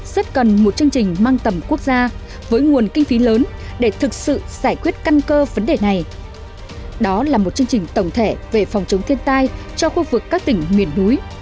đó là một chương trình tổng thể về phòng chống thiên tai cho khu vực các tỉnh miền núi